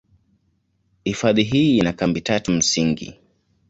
Hifadhi hii ina kambi tatu msingi.